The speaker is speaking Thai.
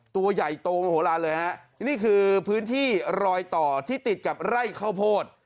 ตัวใหญ่โตมโหลานเลยฮะนี่คือพื้นที่รอยต่อที่ติดกับไร่ข้าวโพด